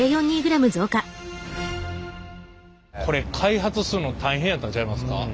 これ開発するの大変やったんちゃいますか？